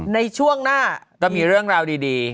ในช่วงหน้าก็มีเรื่องราวดี